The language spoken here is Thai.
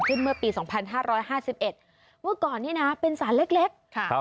เมื่อปี๒๕๕๑เมื่อก่อนนี่นะเป็นสารเล็ก